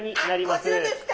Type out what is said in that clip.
ああこちらですか。